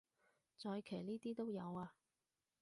再騎呢啲都有啊